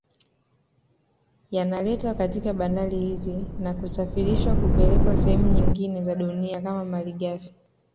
Yanaletwa katika bandari hizi na kusafirishwa kupelekwa sehemu nyingine za dunia kama malighafi